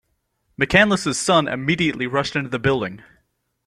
McCanles's son immediately rushed into the building.